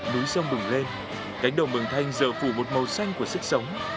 núi sông bừng lên cánh đồng bừng thanh giờ phủ một màu xanh của sức sống